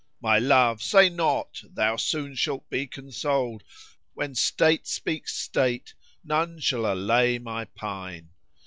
My love! say not, 'Thou soon shalt be consoled'; * When state speaks state none shall allay my pine.